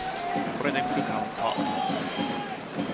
これでフルカウント。